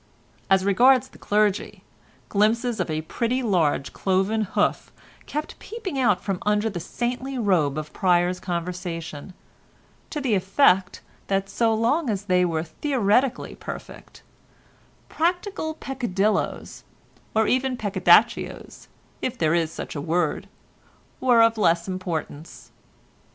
As regards the clergy, glimpses of a pretty large cloven hoof kept peeping out from under the saintly robe of Pryer's conversation, to the effect, that so long as they were theoretically perfect, practical peccadilloes—or even peccadaccios, if there is such a word, were of less importance.